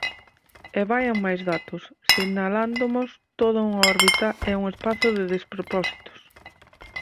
E vaian máis datos, sinalándomos toda unha órbita e un espazo de despropósitos.